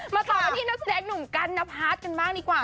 มาต่อไปที่นับแศกหนึ่งคันนับฮาร์ดไปกันบ้างดีกว่า